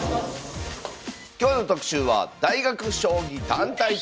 今日の特集は「大学将棋団体戦」。